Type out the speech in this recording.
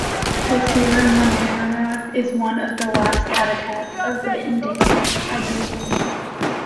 The Sierra Morena is one of the last habitats of the endangered Iberian lynx.